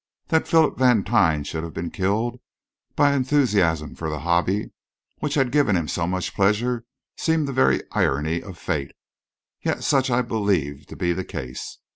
That Philip Vantine should have been killed by enthusiasm for the hobby which had given him so much pleasure seemed the very irony of fate, yet such I believed to be the case.